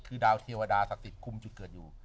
คือดาวเทวดาศักดิ์คุมจุดเกิดอยู่